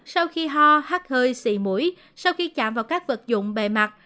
sau khi ho hát hơi xị mũi sau khi chạm vào các vật dụng bề mặt